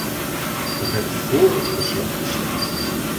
Ik heb vóór het verslag gestemd.